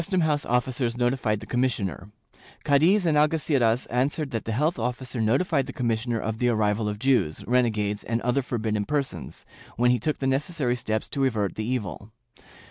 I] MODERN TOLERATION 315 house officers notified the commissioner, Cadiz and Algeciras answered that the health officer notified the commissioner of the arrival of Jews, renegades and other forbidden persons, when he took the necessary steps to avert the evil.